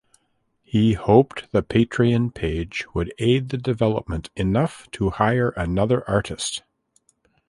He hoped the Patreon page would aid the development enough to hire another artist.